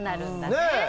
ねえ。